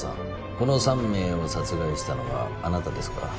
この三名を殺害したのはあなたですか？